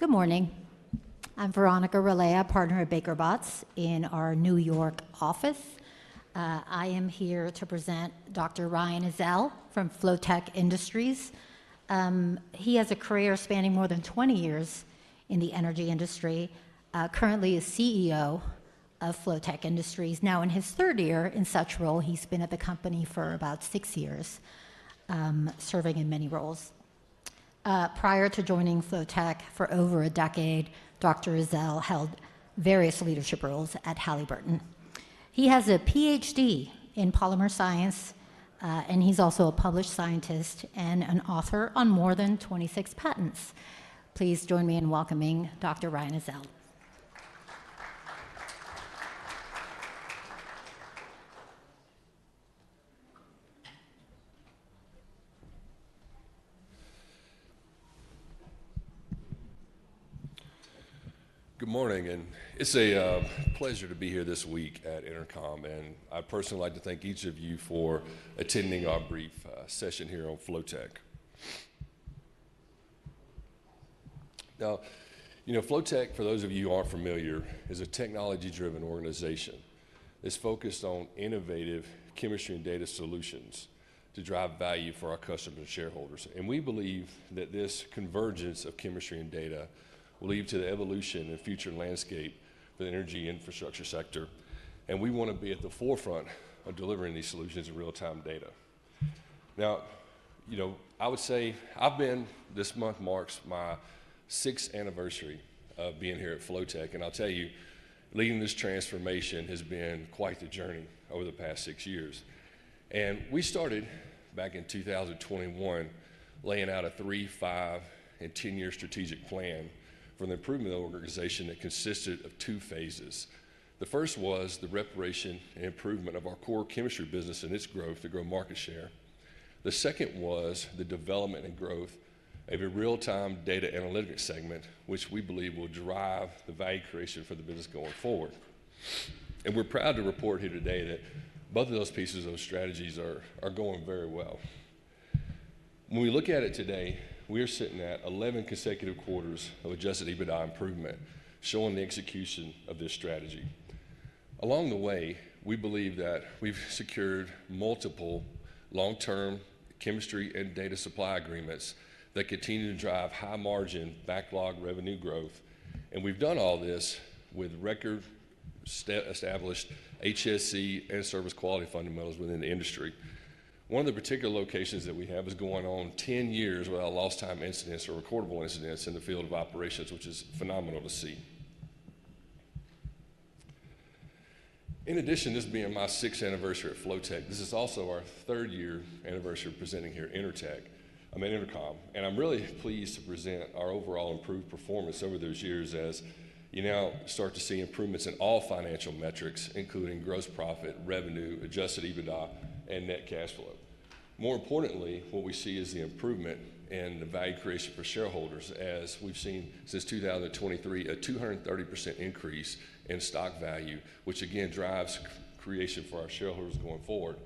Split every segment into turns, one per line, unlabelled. Good morning. I'm Veronica Relea, Partner at Baker Botts in our New York office. I am here to present Dr. Ryan Ezell from Flotek Industries. He has a career spanning more than 20 years in the energy industry, currently a CEO of Flotek Industries. Now in his third year in such a role, he's been at the company for about six years, serving in many roles. Prior to joining Flotek for over a decade, Dr. Ezell held various leadership roles at Halliburton. He has a PhD in polymer science, and he's also a published scientist and an author on more than 26 patents. Please join me in welcoming Dr. Ryan Ezell.
Good morning. It's a pleasure to be here this week at Intercom. I personally would like to thank each of you for attending our brief session here on Flotek. Now, you know, Flotek, for those of you who are familiar, is a technology-driven organization. It's focused on innovative chemistry and data solutions to drive value for our customers and shareholders. We believe that this convergence of chemistry and data will lead to the evolution and future landscape for the energy infrastructure sector. We want to be at the forefront of delivering these solutions in real-time data. I would say this month marks my sixth anniversary of being here at Flotek. Leading this transformation has been quite the journey over the past six years. We started back in 2021, laying out a three, five, and 10-year strategic plan for the improvement of the organization that consisted of two phases. The first was the reparation and improvement of our core chemistry business and its growth to grow market share. The second was the development and growth of a real-time data analytics segment, which we believe will drive the value creation for the business going forward. We're proud to report here today that both of those pieces of strategies are going very well. When we look at it today, we are sitting at 11 consecutive quarters of adjusted EBITDA improvement, showing the execution of this strategy. Along the way, we believe that we've secured multiple long-term chemistry and data supply agreements that continue to drive high margin backlog revenue growth. We've done all this with record-established HSC and service quality fundamentals within the industry. One of the particular locations that we have is going on 10 years without lost time incidents or recordable incidents in the field of operations, which is phenomenal to see. In addition, this being my sixth anniversary at Flotek, this is also our third year anniversary presenting here at Intercom. I'm really pleased to present our overall improved performance over those years, as you now start to see improvements in all financial metrics, including gross profit, revenue, adjusted EBITDA, and net cash flow. More importantly, what we see is the improvement in the value creation for shareholders, as we've seen since 2023 a 230% increase in stock value, which again drives creation for our shareholders going forward.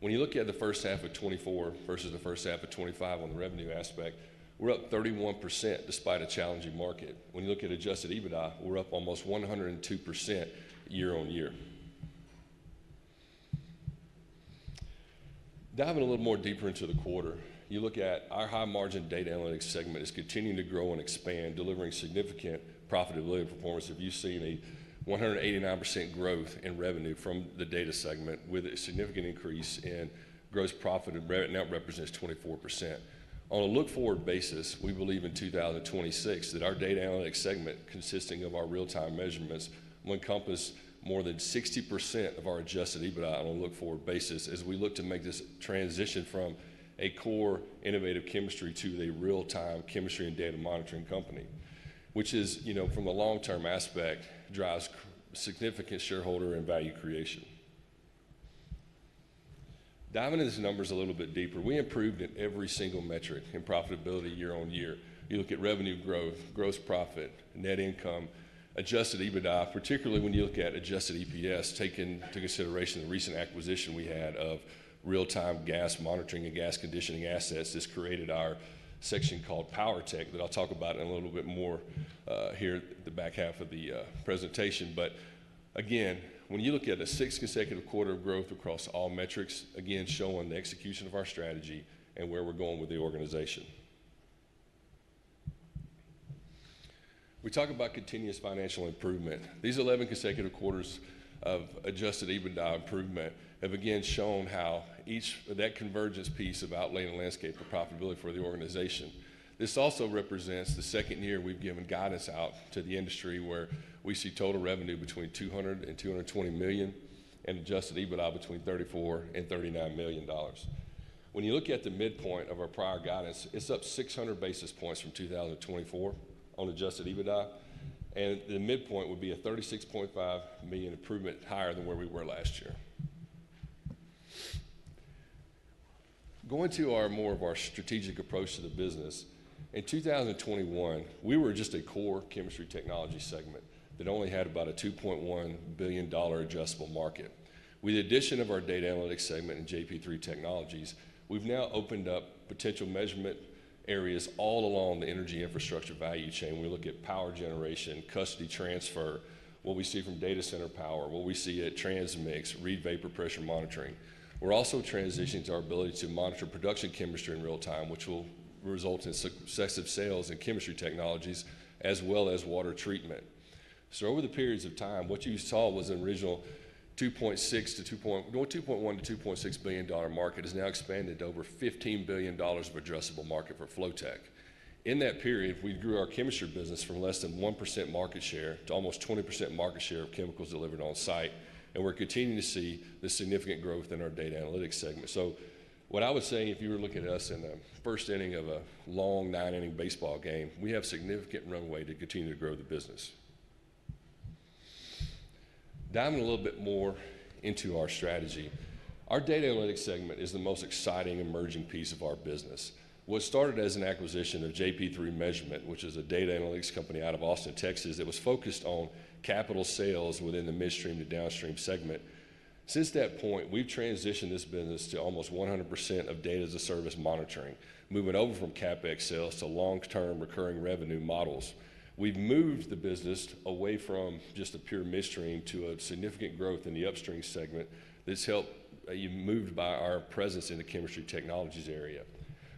When you look at the first half of 2024 versus the first half of 2025 on the revenue aspect, we're up 31% despite a challenging market. When you look at adjusted EBITDA, we're up almost 102% year on year. Diving a little more deeper into the quarter, you look at our high margin data analytics segment is continuing to grow and expand, delivering significant profitability and performance. If you've seen a 189% growth in revenue from the data segment, with a significant increase in gross profit, and that represents 24%. On a look forward basis, we believe in 2026 that our data analytics segment, consisting of our real-time measurements, will encompass more than 60% of our adjusted EBITDA on a look forward basis as we look to make this transition from a core innovative chemistry to a real-time chemistry and data monitoring company, which is, you know, from a long-term aspect, drives significant shareholder and value creation. Diving into the numbers a little bit deeper, we improved in every single metric in profitability year on year. You look at revenue growth, gross profit, net income, adjusted EBITDA, particularly when you look at adjusted EPS, taking into consideration the recent acquisition we had of real-time gas monitoring and gas conditioning assets that's created our section called PWRtek that I'll talk about in a little bit more here in the back half of the presentation. Again, when you look at the sixth consecutive quarter of growth across all metrics, again showing the execution of our strategy and where we're going with the organization. We talk about continuous financial improvement. These 11 consecutive quarters of adjusted EBITDA improvement have again shown how each of that convergence piece of outlaying the landscape of profitability for the organization. This also represents the second year we've given guidance out to the industry where we see total revenue between $200 million and $220 million and adjusted EBITDA between $34 million and $39 million. When you look at the midpoint of our prior guidance, it's up 600 basis points from 2024 on adjusted EBITDA, and the midpoint would be a $36.5 million improvement higher than where we were last year. Going to more of our strategic approach to the business, in 2021, we were just a core chemistry technology segment that only had about a $2.1 billion adjustable market. With the addition of our data analytics segment and JP3 technologies, we've now opened up potential measurement areas all along the energy infrastructure value chain. We look at power generation, custody transfer, what we see from data center power, what we see at transmix, Reid vapor pressure monitoring. We're also transitioning to our ability to monitor production chemistry in real-time, which will result in successive sales in chemistry technologies as well as water treatment. Over the periods of time, what you saw was an original $2.1 billion-$2.6 billion market has now expanded to over $15 billion of addressable market for Flotek. In that period, we grew our chemistry business from less than 1% market share to almost 20% market share of chemicals delivered on site. We're continuing to see the significant growth in our data analytics segment. If you were looking at us in the first inning of a long nine-inning baseball game, we have significant runway to continue to grow the business. Diving a little bit more into our strategy, our data analytics segment is the most exciting emerging piece of our business. What started as an acquisition of JP3 Measurement, which is a data analytics company out of Austin, Texas, was focused on capital sales within the midstream to downstream segment. Since that point, we've transitioned this business to almost 100% of data-as-a-service monitoring, moving over from CapEx sales to long-term recurring revenue models. We've moved the business away from just a pure midstream to a significant growth in the upstream segment. This helped be moved by our presence in the chemistry technologies area.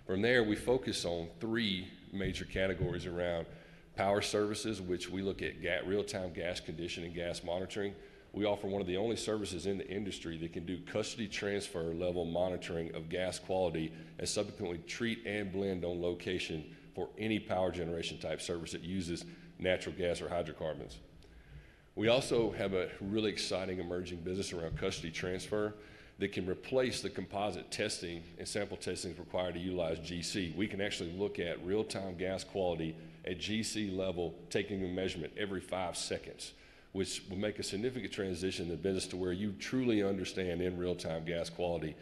From there, we focus on three major categories around power services, which we look at real-time gas conditioning and gas monitoring. We offer one of the only services in the industry that can do custody transfer level monitoring of gas quality and subsequently treat and blend on location for any power generation type service that uses natural gas or hydrocarbons. We also have a really exciting emerging business around custody transfer that can replace the composite testing and sample testing required to utilize GC. We can actually look at real-time gas quality at GC level, taking a measurement every five seconds, which will make a significant transition in the business to where you truly understand in real-time gas quality.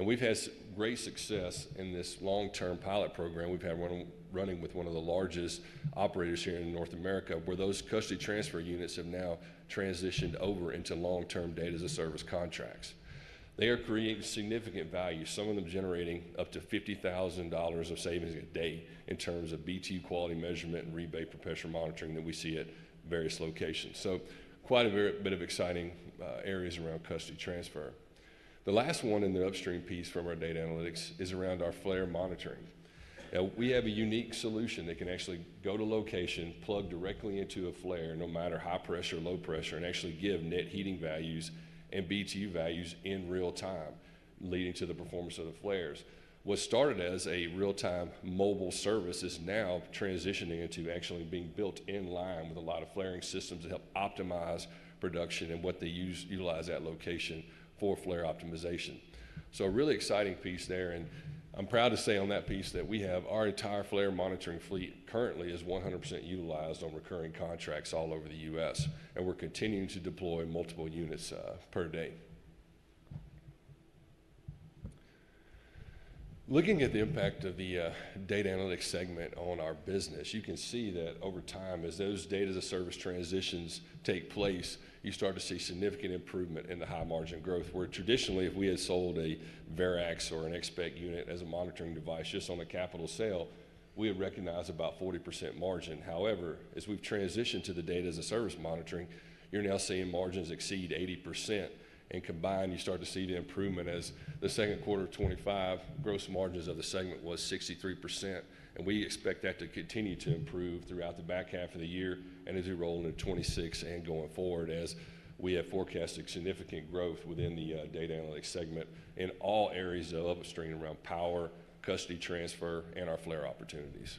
We've had great success in this long-term pilot program. We've had one running with one of the largest operators here in North America, where those custody transfer units have now transitioned over into long-term data-as-a-service contracts. They are creating significant value, some of them generating up to $50,000 of savings a day in terms of BTU quality measurement and Reid vapor pressure monitoring that we see at various locations. There are quite a bit of exciting areas around custody transfer. The last one in the upstream piece from our data analytics is around our flare monitoring. We have a unique solution that can actually go to location, plug directly into a flare, no matter high pressure or low pressure, and actually give net heating values and BTU values in real-time, leading to the performance of the flares. What started as a real-time mobile service is now transitioning into actually being built in line with a lot of flaring systems to help optimize production and what they utilize at location for flare optimization. A really exciting piece there. I'm proud to say on that piece that we have our entire flare monitoring fleet currently 100% utilized on recurring contracts all over the U.S., and we're continuing to deploy multiple units per day. Looking at the impact of the data analytics segment on our business, you can see that over time, as those data-as-a-service transitions take place, you start to see significant improvement in the high margin growth, where traditionally, if we had sold a Verax or an XSPCT unit as a monitoring device just on a capital sale, we would recognize about 40% margin. However, as we've transitioned to the data-as-a-service monitoring, you're now seeing margins exceed 80%. Combined, you start to see the improvement as the second quarter of 2025, gross margins of the segment was 63%. We expect that to continue to improve throughout the back half of the year and as we roll into 2026 and going forward, as we have forecasted significant growth within the data analytics segment in all areas of upstream around power, custody transfer, and our flare opportunities.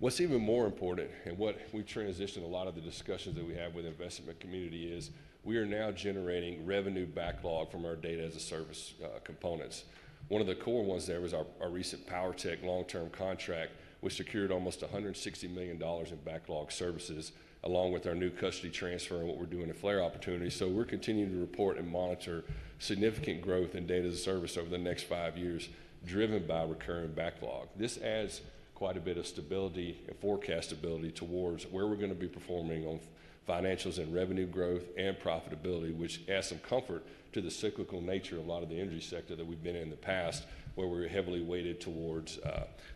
What's even more important, and what we've transitioned a lot of the discussions that we have with the investment community is we are now generating recurring revenue backlog from our data-as-a-service components. One of the core ones there was our recent PWRtek long-term contract, which secured almost $160 million in backlog services, along with our new custody transfer and what we're doing in flare opportunities. We're continuing to report and monitor significant growth in data-as-a-service over the next five years, driven by recurring backlog. This adds quite a bit of stability and forecastability towards where we're going to be performing on financials and revenue growth and profitability, which adds some comfort to the cyclical nature of a lot of the energy sector that we've been in in the past, where we're heavily weighted towards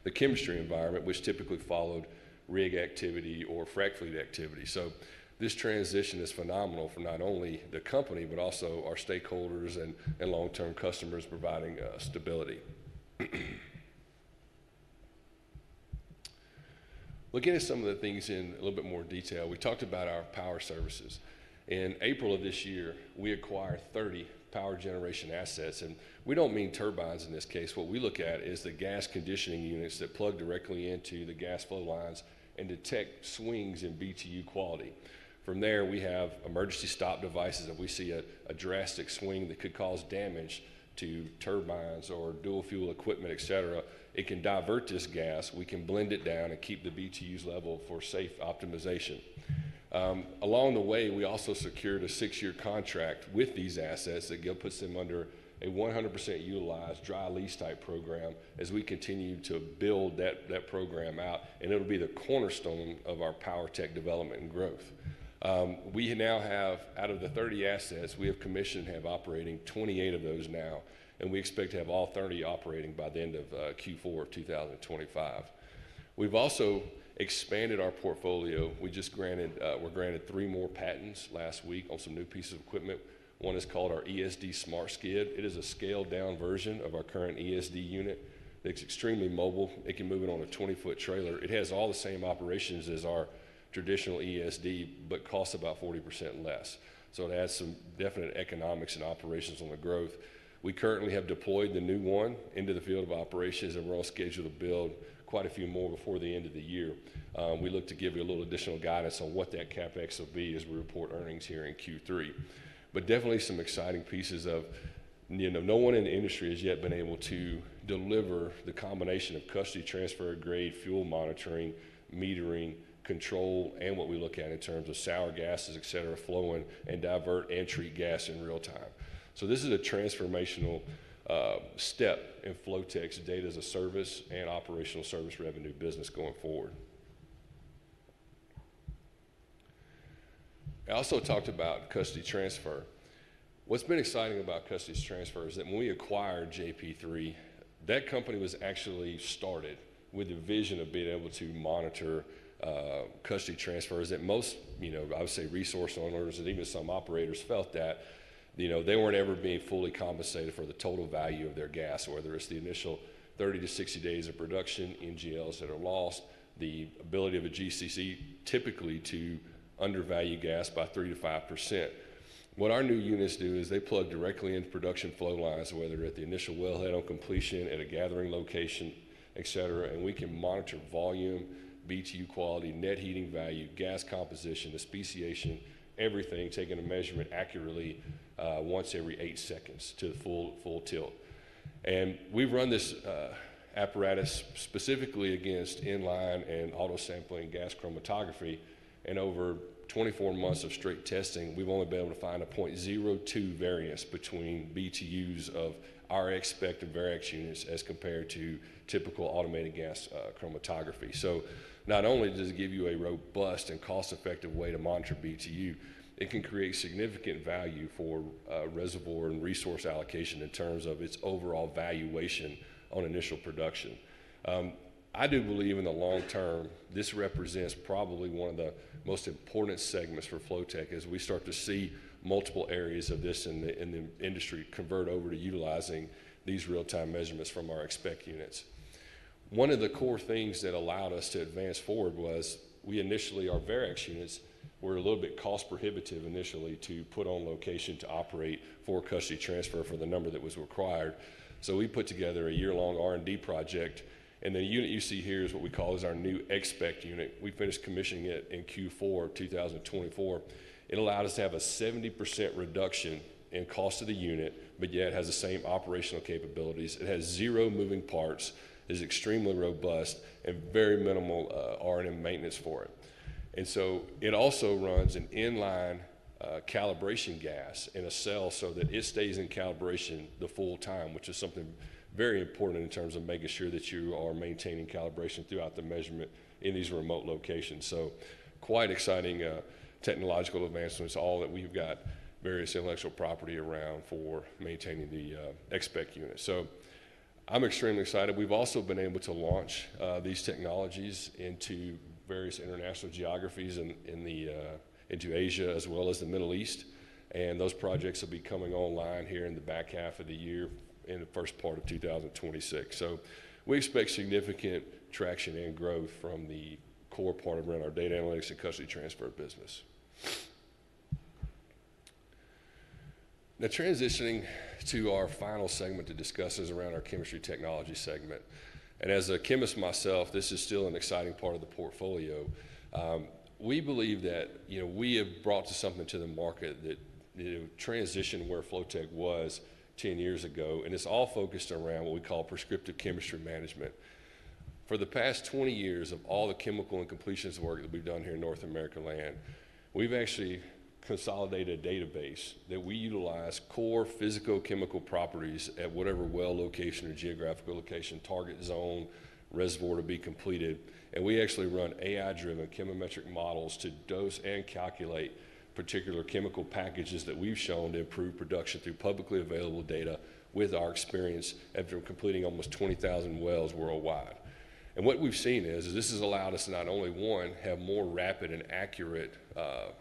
the chemistry environment, which typically followed rig activity or frac fleet activity. This transition is phenomenal for not only the company, but also our stakeholders and long-term customers providing stability. Looking at some of the things in a little bit more detail, we talked about our power services. In April of this year, we acquired 30 power generation assets. We don't mean turbines in this case. What we look at is the gas conditioning units that plug directly into the gas flow lines and detect swings in BTU quality. From there, we have emergency stop devices. If we see a drastic swing that could cause damage to turbines or dual fuel equipment, etc., it can divert this gas. We can blend it down and keep the BTUs level for safe optimization. Along the way, we also secured a six-year contract with these assets that puts them under a 100% utilized dry lease type program as we continue to build that program out. It'll be the cornerstone of our PWRtek development and growth. We now have, out of the 30 assets, commissioned and have operating 28 of those now. We expect to have all 30 operating by the end of Q4 of 2025. We've also expanded our portfolio. We were granted three more patents last week on some new pieces of equipment. One is called our ESD Smart Skid. It is a scaled-down version of our current ESD unit that's extremely mobile. You can move it on a 20-ft trailer. It has all the same operations as our traditional ESD, but costs about 40% less. It adds some definite economics and operations on the growth. We currently have deployed the new one into the field of operations, and we're on schedule to build quite a few more before the end of the year. We look to give you a little additional guidance on what that CapEx will be as we report earnings here in Q3. Definitely some exciting pieces of, you know, no one in the industry has yet been able to deliver the combination of custody transfer grade, fuel monitoring, metering, control, and what we look at in terms of sour gases, etc., flowing and divert entry gas in real-time. This is a transformational step in Flotek's data-as-a-service and operational service revenue business going forward. I also talked about custody transfer. What's been exciting about custody transfer is that when we acquired JP3, that company was actually started with a vision of being able to monitor custody transfers that most, you know, I would say resource owners and even some operators felt that, you know, they weren't ever being fully compensated for the total value of their gas, whether it's the initial 30-60 days of production, NGLs that are lost, the ability of a GCC typically to undervalue gas by 3%-5%. What our new units do is they plug directly into production flow lines, whether at the initial wellhead on completion, at a gathering location, etc., and we can monitor volume, BTU quality, net heating value, gas composition, especiation, everything, taking a measurement accurately once every eight seconds to the full tilt. We've run this apparatus specifically against in-line and auto-sampling gas chromatography. Over 24 months of straight testing, we've only been able to find a 0.02 variance between BTUs of our XSPCT, Verax units as compared to typical automated gas chromatography. Not only does it give you a robust and cost-effective way to monitor BTU, it can create significant value for reservoir and resource allocation in terms of its overall valuation on initial production. I do believe in the long-term, this represents probably one of the most important segments for Flotek as we start to see multiple areas of this in the industry convert over to utilizing these real-time measurements from our XSPCT units. One of the core things that allowed us to advance forward was we initially, our Verax units were a little bit cost-prohibitive initially to put on location to operate for custody transfer for the number that was required. We put together a year-long R&D project, and the unit you see here is what we call our new XSPCT unit. We finished commissioning it in Q4 of 2024. It allowed us to have a 70% reduction in cost of the unit, but yet has the same operational capabilities. It has zero moving parts, is extremely robust, and very minimal R&M maintenance for it. It also runs an in-line calibration gas in a cell so that it stays in calibration the full time, which is something very important in terms of making sure that you are maintaining calibration throughout the measurement in these remote locations. Quite exciting technological advancements, all that we've got various intellectual property around for maintaining the XSPCT unit. I'm extremely excited. We've also been able to launch these technologies into various international geographies in Asia as well as the Middle East. Those projects will be coming online here in the back half of the year and the first part of 2026. We expect significant traction and growth from the core part of around our data analytics and custody transfer business. Now, transitioning to our final segment to discuss is around our chemistry technology segment. As a chemist myself, this is still an exciting part of the portfolio. We believe that, you know, we have brought something to the market that, you know, transitioned where Flotek was 10 years ago. It's all focused around what we call prescriptive chemistry management. For the past 20 years of all the chemical and completions work that we've done here in North American land, we've actually consolidated a database that we utilize core physicochemical properties at whatever well location or geographical location, target zone, reservoir to be completed. We actually run AI-driven chemometric models to dose and calculate particular chemical packages that we've shown to improve production through publicly available data with our experience and from completing almost 20,000 wells worldwide. What we've seen is this has allowed us to not only, one, have more rapid and accurate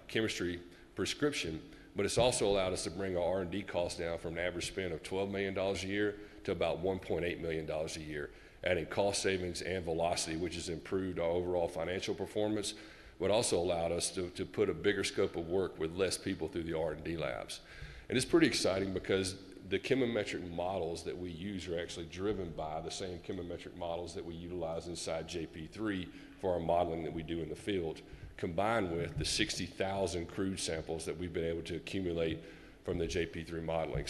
chemistry prescription, but it's also allowed us to bring our R&D costs down from an average spend of $12 million a year to about $1.8 million a year, adding cost savings and velocity, which has improved our overall financial performance, but also allowed us to put a bigger scope of work with less people through the R&D labs. It's pretty exciting because the chemometric models that we use are actually driven by the same chemometric models that we utilize inside JP3 for our modeling that we do in the field, combined with the 60,000 crude samples that we've been able to accumulate from the JP3 modeling.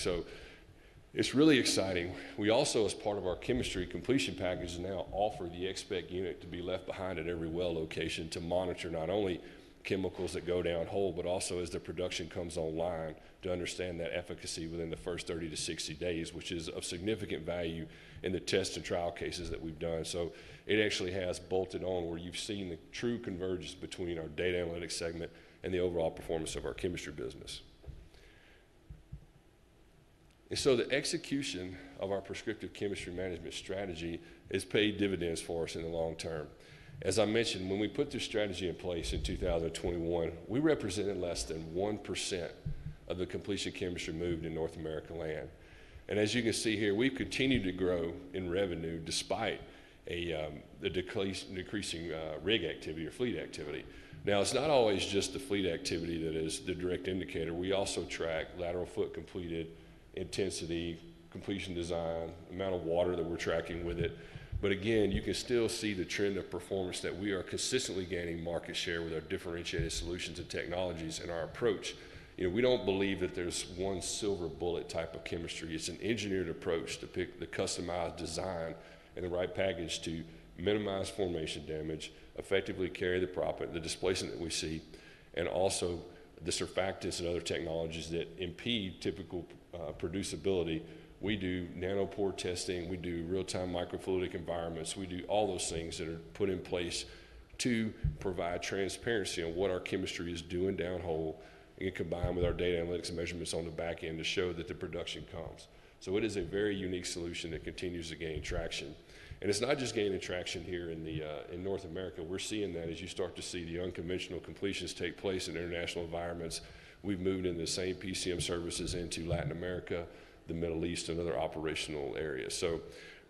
It's really exciting. We also, as part of our chemistry completion package, now offer the XSPCT unit to be left behind at every well location to monitor not only chemicals that go downhole, but also as the production comes online to understand that efficacy within the first 30-60 days, which is of significant value in the test and trial cases that we've done. It actually has bolted on where you've seen the true convergence between our data analytics segment and the overall performance of our chemistry business. The execution of our prescriptive chemistry management strategy has paid dividends for us in the long-term. As I mentioned, when we put this strategy in place in 2021, we represented less than 1% of the completion chemistry moved in North American land. As you can see here, we've continued to grow in revenue despite the decreasing rig activity or fleet activity. It's not always just the fleet activity that is the direct indicator. We also track lateral foot completed, intensity, completion design, the amount of water that we're tracking with it. Again, you can still see the trend of performance that we are consistently gaining market share with our differentiated solutions and technologies and our approach. We don't believe that there's one silver bullet type of chemistry. It's an engineered approach to pick the customized design and the right package to minimize formation damage, effectively carry the property, the displacement that we see, and also the surfactants and other technologies that impede typical producibility. We do nanopore testing. We do real-time microfluidic environments. We do all those things that are put in place to provide transparency on what our chemistry is doing downhole, and combined with our data analytics and measurements on the back end to show that the production comes. It is a very unique solution that continues to gain traction. It's not just gaining traction here in North America. We're seeing that as you start to see the unconventional completions take place in international environments. We've moved in the same PCM services into Latin America, the Middle East, and other operational areas.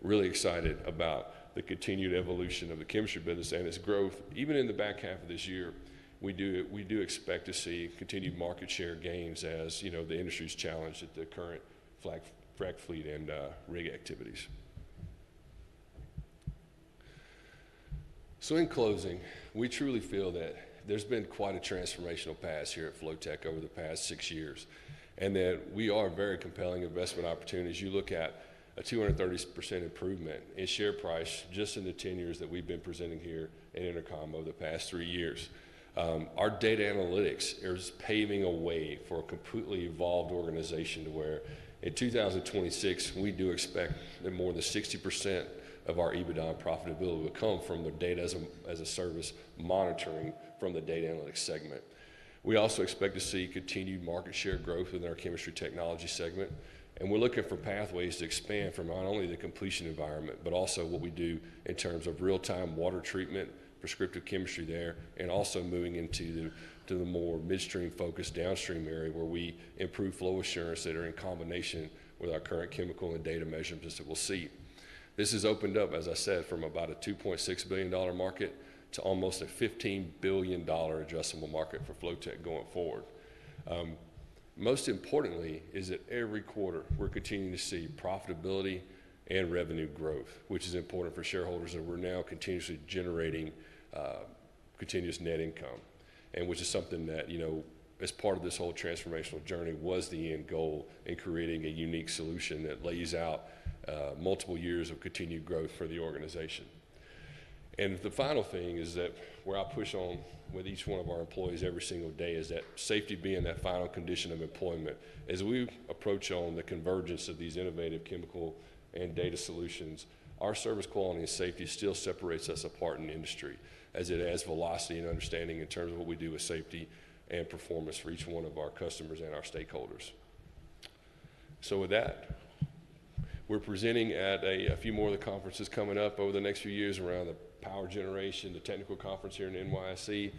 Really excited about the continued evolution of the chemistry business and its growth. Even in the back half of this year, we do expect to see continued market share gains as the industry's challenged at the current frac fleet and rig activities. In closing, we truly feel that there's been quite a transformational path here at Flotek over the past six years, and that we are a very compelling investment opportunity as you look at a 230% improvement in share price just in the 10 years that we've been presenting here at Intercom over the past three years. Our data analytics is paving a way for a completely evolved organization to where in 2026, we do expect that more than 60% of our EBITDA profitability will come from the data-as-a-service monitoring from the data analytics segment. We also expect to see continued market share growth within our chemistry technology segment. We're looking for pathways to expand from not only the completion environment, but also what we do in terms of real-time water treatment, prescriptive chemistry there, and also moving into the more midstream-focused downstream area where we improve flow assurance that are in combination with our current chemical and data measurements that we'll see. This has opened up, as I said, from about a $2.6 billion market to almost a $15 billion addressable market for Flotek going forward. Most importantly is that every quarter we're continuing to see profitability and revenue growth, which is important for shareholders that we're now continuously generating continuous net income, which is something that, as part of this whole transformational journey, was the end goal in creating a unique solution that lays out multiple years of continued growth for the organization. The final thing is that where I push on with each one of our employees every single day is that safety being that final condition of employment. As we approach on the convergence of these innovative chemical and data solutions, our service quality and safety still separates us apart in the industry as it adds velocity and understanding in terms of what we do with safety and performance for each one of our customers and our stakeholders. With that, we're presenting at a few more of the conferences coming up over the next few years around the power generation, the technical conference here in NYSE,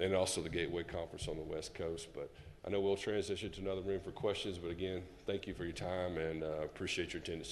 and also the Gateway Conference on the West Coast. I know we'll transition to another room for questions, but again, thank you for your time and appreciate your attention.